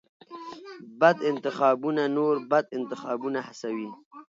بد انتخابونه نور بد انتخابونه هڅوي.